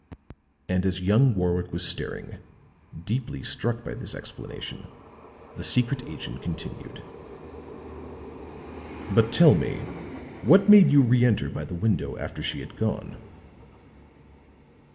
And as young Warwick was staring, deeply struck by this explanation, the secret agent continued: "But, tell me, what made you reënter by the window after she had gone?"